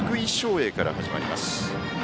英から始まります。